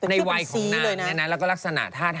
ในวัยของนางแล้วก็ลักษณะ